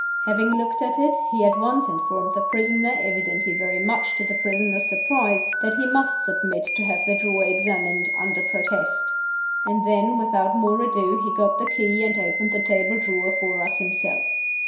Having looked at it, he at once informed the prisoner (evidently very much to the prisoner's surprise) that he must submit to have the drawer examined, under protest. And then, without more ado, he got the key, and opened the table drawer for us himself.